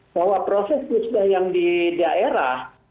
bahwa proses pusbah yang di daerah